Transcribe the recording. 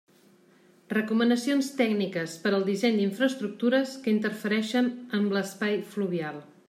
Recomanacions tècniques per al disseny d'infraestructures que interfereixen amb l'espai fluvial.